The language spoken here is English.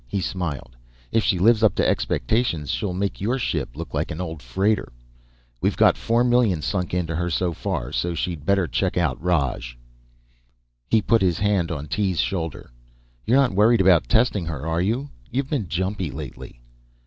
He smiled. "If she lives up to expectations, she'll make your ship look like an old freighter. We've got four million sunk in her so far, so she'd better check out roj." He put his hand on Tee's shoulder. "You're not worried about testing her, are you? You've been jumpy lately."